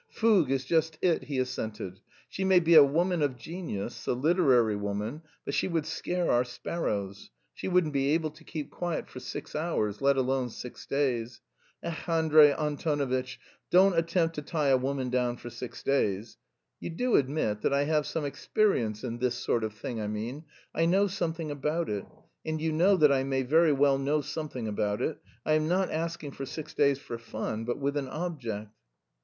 "Fougue is just it," he assented. "She may be a woman of genius, a literary woman, but she would scare our sparrows. She wouldn't be able to keep quiet for six hours, let alone six days. Ech, Andrey Antonovitch, don't attempt to tie a woman down for six days! You do admit that I have some experience in this sort of thing, I mean; I know something about it, and you know that I may very well know something about it. I am not asking for six days for fun but with an object."